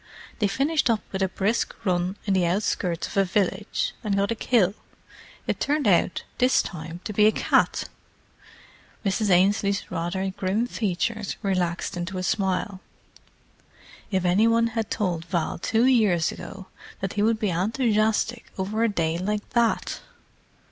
They finished up with a brisk run in the outskirts of a village, and got a kill—it turned out this time to be a cat!" Mrs. Ainslie's rather grim features relaxed into a smile. "If any one had told Val two years ago that he would be enthusiastic over a day like that!"